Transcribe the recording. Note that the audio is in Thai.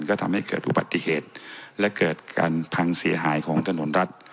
ก็ทำให้เกิดอุบัติเหตุและเกิดการพังเสียหายของถนนรัฐ